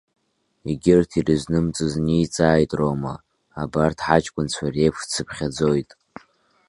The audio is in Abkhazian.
Егьырҭ ирызнымҵыз ниҵааит Рома, абарҭ ҳаҷкәынцәа реиԥш дсыԥхьаӡоит.